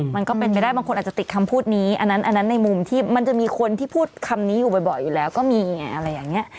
มันก็เป็นไปได้บางคนอาจจะติดคำพูดนี้อันนั้นอันนั้นในมุมที่มันจะมีคนที่พูดคำนี้อยู่บ่อยอยู่แล้วก็มีไงอะไรอย่างนี้